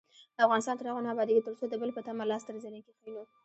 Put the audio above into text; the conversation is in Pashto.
افغانستان تر هغو نه ابادیږي، ترڅو د بل په تمه لاس تر زنې کښينو.